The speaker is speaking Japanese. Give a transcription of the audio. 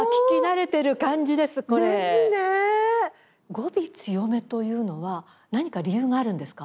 語尾強めというのは何か理由があるんですか？